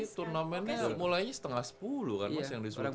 iya turnamennya mulainya setengah sepuluh kan mas yang disultar itu